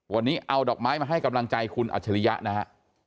วันนี้เอาดอกไม้มาให้กำลังใจคุณอัจฉริยะนะฮะ